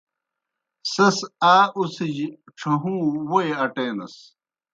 سیْس آ اُڅِھجیْ ڇھہُوں ووئی اٹینَس۔